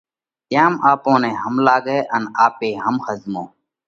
تيام آپون نئہ هم لاڳئه ان آپي هم ۿزمونه۔